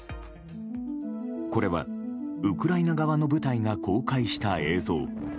これはウクライナ側の部隊が公開した映像。